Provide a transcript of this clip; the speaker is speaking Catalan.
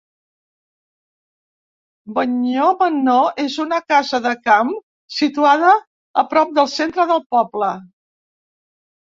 Bagnor Manor és una casa de camp situada a pro del centre del poble.